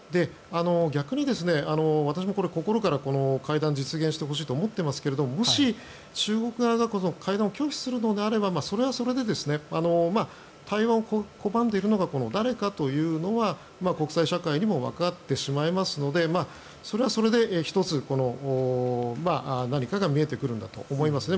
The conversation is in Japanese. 逆に、私も心からこの会談実現してほしいと思っていますがもし中国側が会談を拒否するのであればそれはそれで対話を拒んでいるのが誰かというのが国際社会にもわかってしまいますのでそれはそれで１つ、何かが見えてくるんだと思いますね。